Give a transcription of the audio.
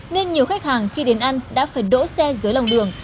nên nhiều khách hàng khi đến ăn đã phải đỗ xe dưới lòng đường